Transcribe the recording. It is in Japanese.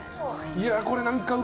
いやこれなんか。